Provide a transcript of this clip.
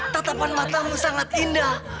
tatapan matamu sangat indah